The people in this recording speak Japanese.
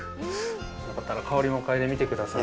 よかったら香りも嗅いでみてください。